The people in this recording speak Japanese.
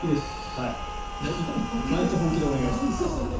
毎日本気でお願いします。